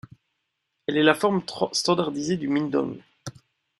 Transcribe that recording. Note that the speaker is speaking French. Elle est la forme standardisée du mindong.